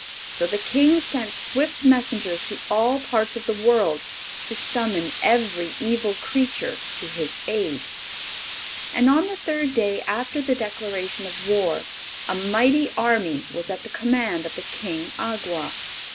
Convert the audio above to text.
So the King sent swift messengers to all parts of the world to summon every evil creature to his aid. And on the third day after the declaration of war a mighty army was at the command of the King Awgwa.